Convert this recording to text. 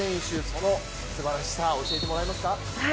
そのすばらしさ教えてもらえますか。